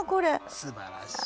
すばらしい。